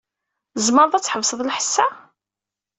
Tzemreḍ ad tḥebseḍ lḥess-a?